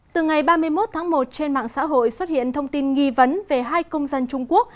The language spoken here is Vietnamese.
từ ngày ba mươi một tháng một trên mạng xã hội xuất hiện thông tin nghi vấn về hai công dân trung quốc